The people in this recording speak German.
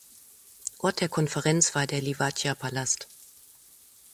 Ort der Konferenz war der Liwadija-Palast.